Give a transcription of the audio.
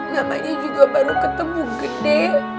namanya juga baru ketemu gede